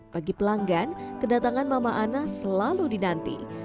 bagi pelanggan kedatangan mama ana selalu dinanti